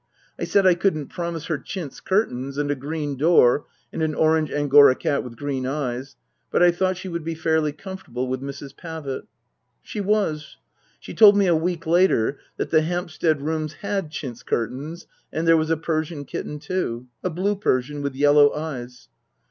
I said I couldn't promise her chintz curtains and a green door and an orange Angora cat with green eyes, but I thought she would be fairly comfortable with Mrs. Pavitt. She was. She told me a week later that the Hampstead rooms had chintz curtains and there was a Persian kitten too. A blue Persian, with yellow eyes.